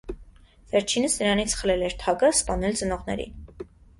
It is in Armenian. Վերջինս նրանից խլել էր թագը, սպանել ծնողներին։